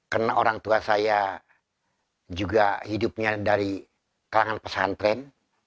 karena orang tua saya juga hidupnya dari kalangan pesantren